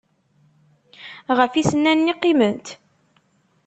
Ɣef yisennanen i qqiment?